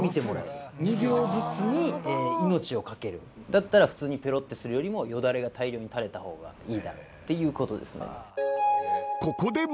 だったら普通にペロッてするよりもヨダレが大量に垂れた方がいいだろうっていうことですね。